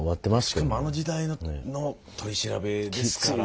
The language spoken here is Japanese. しかもあの時代の取り調べですから。